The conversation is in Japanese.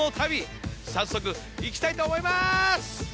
早速行きたいと思います。